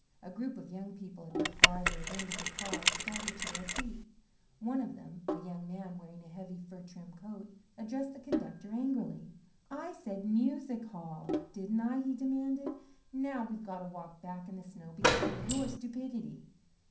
A group of young people at the farther end of the car started to their feet. One of them, a young man wearing a heavy fur trimmed coat, addressed the conductor angrily. "I said, 'Music Hall,' didn't I?" he demanded. "Now we've got to walk back in the snow because of your stupidity!"